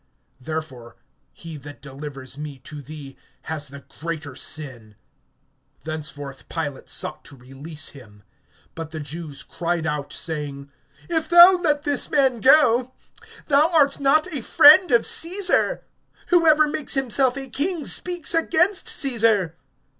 Therefore he that delivers me to thee has the greater sin. (12)Thenceforth Pilate sought to release him. But the Jews cried out, saying: If thou let this man go, thou art not a friend of Caesar. Whoever makes himself a king speaks against Caesar.